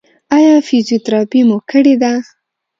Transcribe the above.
ایا فزیوتراپي مو کړې ده؟